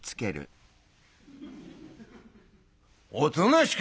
「おとなしく」。